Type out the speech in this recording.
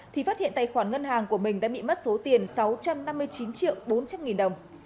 thì phát hiện tài khoản ngân hàng của mình đã bị mất số tiền sáu trăm năm mươi chín bốn triệu đồng